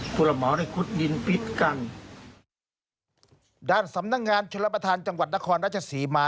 ผู้รับเหมาได้ขุดดินปิดกันด้านสำนักงานชนรับประทานจังหวัดนครราชศรีมา